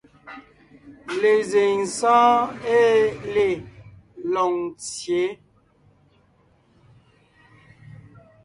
Lezíŋ sɔ́ɔn ée le Lôŋtsyě,